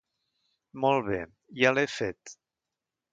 Molt bé, ja l'he fet.